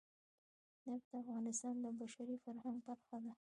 نفت د افغانستان د بشري فرهنګ برخه ده.